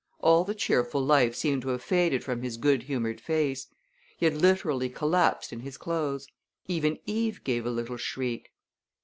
All the cheerful life seemed to have faded from his good humored face. He had literally collapsed in his clothes. Even Eve gave a little shriek.